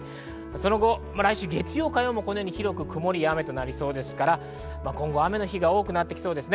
その後、来週月曜、火曜も広く曇りや雨となりそうで、今後、雨の日が多くなってきそうです。